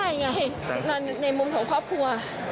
ถ้ามีตัวในมุมของครอบครัว